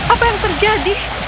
apa yang terjadi